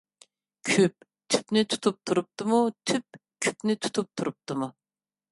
كۈپ تۈپنى تۇتۇپ تۇرۇپتىمۇ؟ تۈپ كۈپنى تۇتۇپ تۇرۇپتىمۇ؟